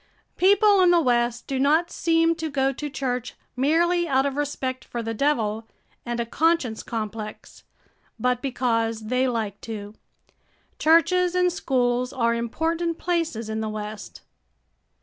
People in the West do not seem to go to church merely out of respect for the devil and a conscience complex, but because they like to. Churches and schools are important places in the West.